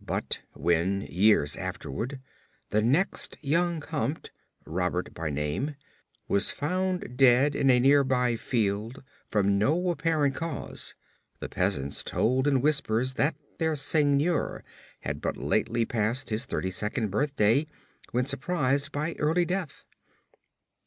But when, years afterward, the next young Comte, Robert by name, was found dead in a nearby field from no apparent cause, the peasants told in whispers that their seigneur had but lately passed his thirty second birthday when surprised by early death.